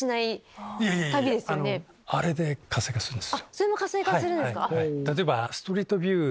それも活性化するんですか。